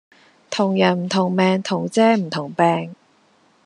同人唔同命同遮唔同柄